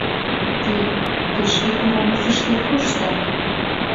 Тый... тый шке Корамасышке коштат...